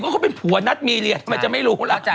ก็เป็นผัวนัดมีเหรียญแม่งจะไม่รู้ล่ะ